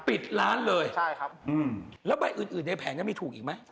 ปิดร้านเลยใช่ครับอืมแล้วใบอื่นอื่นในแผงนั้นมีถูกอีกไหม